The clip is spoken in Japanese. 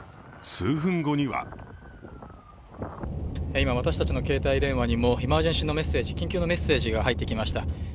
数分後には今、私たちの携帯電話にもエマージェンシーのメッセージ、緊急のメッセージが入ってきました。